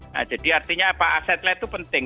nah jadi artinya pak asetle itu penting